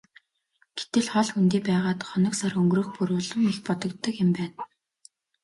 Гэтэл хол хөндий байгаад хоног сар өнгөрөх бүр улам их бодогддог юм байна.